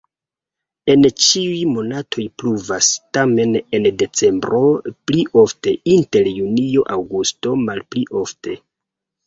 En ĉiuj monatoj pluvas, tamen en decembro pli ofte, inter junio-aŭgusto malpli ofte.